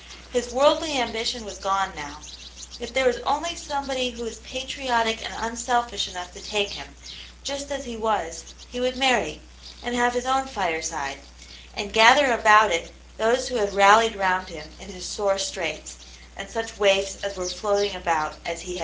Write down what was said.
His worldly ambition was gone now ; if there was only somebody who wa? patriotic and unselfish enough to take him, just as he was, he would marry, and have his own fireside, and gather about it those who had rallied round him in his sore straits, and such waifs as were floating about as Vv^ Vv;v.